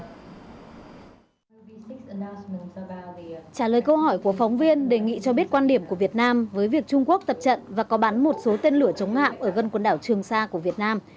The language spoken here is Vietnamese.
trả lời câu hỏi của phóng viên đề nghị cho biết quan điểm của việt nam với việc trung quốc tập trận và có bắn một số tên lửa chống hạm ở gần quần đảo trường sa của việt nam